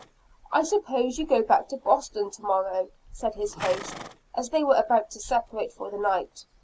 "I suppose you go back to Boston to morrow?" said his host, as they were about to separate for the night.